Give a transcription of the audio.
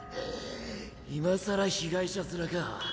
今更被害者面か。